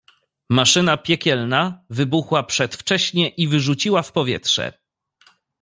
Maszyna piekielna wybuchła przedwcześnie i wyrzuciła w powietrze…